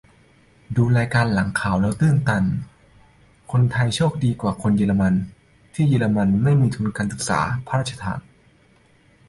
ดูรายการหลังข่าวแล้วก็ตื้นตัน คนไทยโชคดีกว่าคนเยอรมัน ที่เยอรมนีไม่มีทุนการศึกษาพระราชทาน